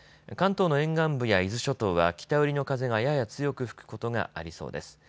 関東の沿岸部や伊豆諸島は北寄りの風がやや強く吹くことがありそうです。